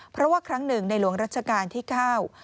เพราะว่าครั้งหนึ่งในหลวงรัชกาลที่เก้า